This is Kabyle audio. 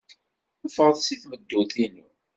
Ffɣet seg tmeddurt-inu.